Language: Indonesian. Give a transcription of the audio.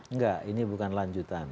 enggak ini bukan lanjutan